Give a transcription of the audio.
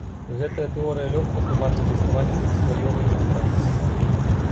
Гэтая тэорыя лёгка тлумачыць існаванне двухслаёвай мембраны.